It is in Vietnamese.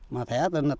mà thẻ từ năm gọi